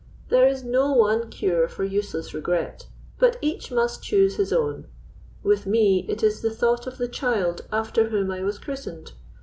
There is no one cure for useless regret, but each must choose his own. With me it is the thought of the child after whom I was christened.